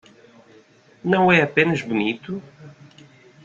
Não é apenas bonito?